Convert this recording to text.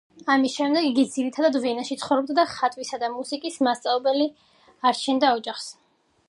ამის შემდეგ იდა ძირითადად ვენაში ცხოვრობდა და ხატვისა და მუსიკის მასწავლებლობით არჩენდა ოჯახს.